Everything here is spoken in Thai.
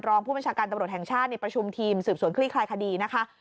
รองผู้บัญชาการตำรวจแห่งชาติในประชุมทีมสืบสวนคลี่คลายคดีนะคะ